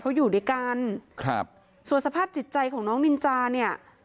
เขาอยู่ด้วยกันครับส่วนสภาพจิตใจของน้องนินจาเนี่ย